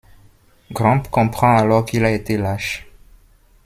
Gramp comprend alors qu'il a été lâche.